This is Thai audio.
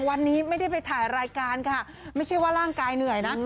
วันนี้ไม่ได้ไปถ่ายรายการค่ะไม่ใช่ว่าร่างกายเหนื่อยนะ